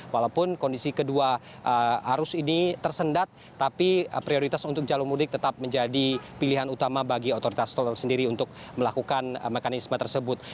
walaupun kondisi kedua arus ini tersendat tapi prioritas untuk jalur mudik tetap menjadi pilihan utama bagi otoritas tol sendiri untuk melakukan mekanisme tersebut